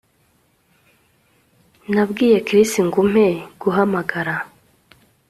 Nabwiye Chris ngo umpe guhamagara